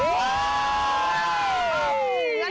เย้